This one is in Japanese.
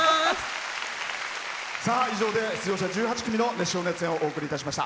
以上で出場者１８組の熱唱・熱演をお送りいたしました。